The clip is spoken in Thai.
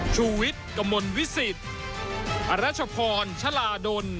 ชุวิตตีแสนหน้า